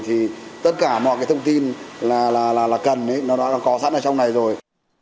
thì tất cả mọi cái thông tin là cần nó đã có sẵn ở trong này rồi